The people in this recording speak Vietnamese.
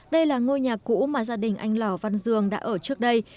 đây là ngôi nhà cũ mà gia đình anh lò văn dương đã ở trước đây